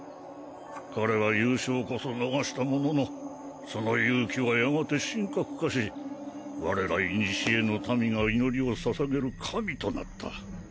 彼は優勝こそ逃したもののその勇気はやがて神格化し我らいにしえの民が祈りをささげる神となった。